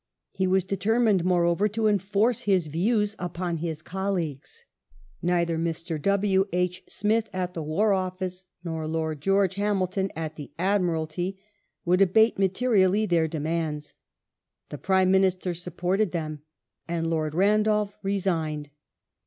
^ He was determined, moreover, to enforce his views upon his colleagues. Neither Mr. W. H. Smith at the War Office, nor Lord George Hamilton at the Admiralty, would abate materially their demands ; the Prime Minister supported them and Lord Randolph resigned.